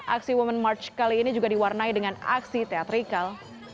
aksi women march kali ini juga diwarnai dengan aksi teatrikal